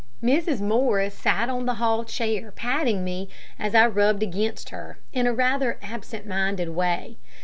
Mrs. Morris sat on the hall chair, patting me as I rubbed against her, in rather an absentminded way.